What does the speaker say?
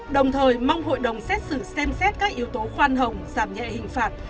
đồng thời mong hội đồng xét xử xem xét các yếu tố khoan hồng giảm nhẹ hình phạt